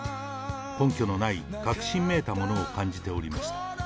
根拠のない確信めいたものを感じておりました。